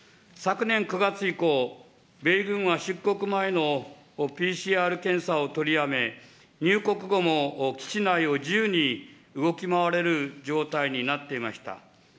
昨年９月以降、米軍は出国前のＰＣＲ検査を取りやめ、入国後も基地内を自由に動き回れる状態になっていました。